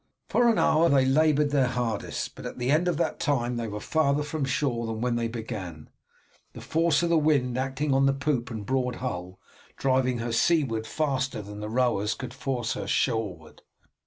For an hour they laboured their hardest, but at the end of that time they were farther from shore than when they began, the force of the wind acting on the poop and broad hull driving her seaward faster than the rowers could force her shoreward.